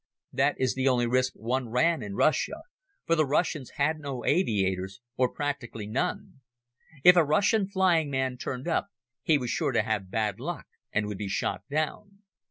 That is the only risk one ran in Russia for the Russians had no aviators, or practically none. If a Russian flying man turned up he was sure to have bad luck and would be shot down.